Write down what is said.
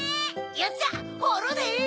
よっしゃほるで！